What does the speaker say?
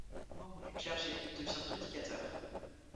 Membre du clergé il devient prédicateur.